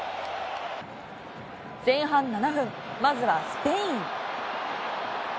前半７分、まずはスペイン。